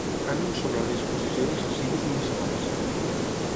Cànons sobre la disposició dels residus municipals.